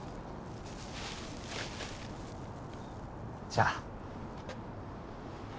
じゃあ